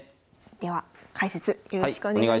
では解説よろしくお願いします。